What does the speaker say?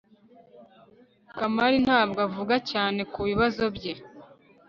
kamari ntabwo avuga cyane kubibazo bye